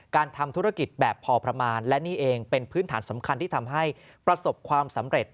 การทำธุรกิจแบบพอประมาณและนี่เองเป็นพื้นฐานสำคัญที่ทำให้ประสบความสำเร็จ